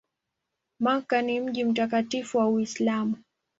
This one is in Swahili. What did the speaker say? Makka ni mji mtakatifu wa Uislamu.